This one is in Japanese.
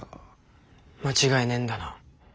間違いねえんだな？